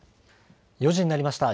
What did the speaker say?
４時になりました。